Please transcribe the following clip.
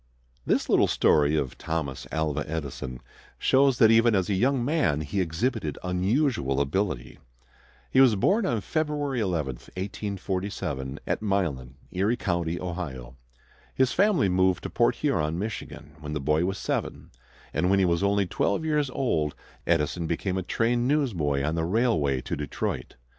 This little story of Thomas Alva Edison shows that even as a young man he exhibited unusual ability. He was born on February 11, 1847, at Milan, Erie County, Ohio. His family moved to Port Huron, Michigan, when the boy was seven, and when he was only twelve years old Edison became a train newsboy on the railway to Detroit.